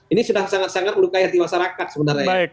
ini sudah sangat sangat melukai hati masyarakat sebenarnya ya